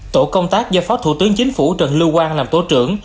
tổ công tác do phó thủ tướng chính phủ trần lưu quang làm tổ trưởng